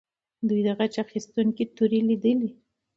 دوی د غچ اخیستونکې تورې لیدلې.